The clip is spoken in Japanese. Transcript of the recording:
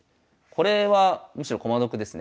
これはむしろ駒得ですね。